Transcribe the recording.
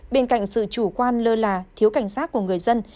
bên cạnh sự chủ quan lơ là thiếu cảnh giác của người dân